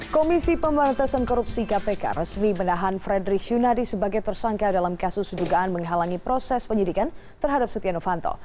komisi pemberantasan korupsi kpk resmi menahan frederick yunadi sebagai tersangka dalam kasus sedugaan menghalangi proses penyidikan terhadap setia novanto